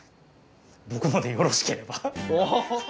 僕のでよろしければ。